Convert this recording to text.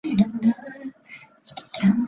橡皮筋是以橡胶和其他材料混合制成的。